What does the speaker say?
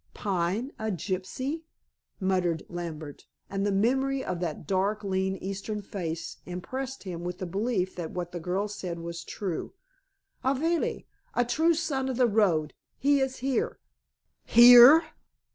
"Pine a gypsy," muttered Lambert, and the memory of that dark, lean, Eastern face impressed him with the belief that what the girl said was true. "Avali. A true son of the road. He is here." "Here?"